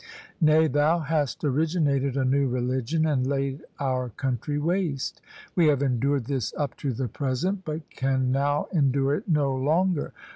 Nay, thou hast originated a new religion, and laid our country waste. We have endured this up to the present, but can now endure it no longer.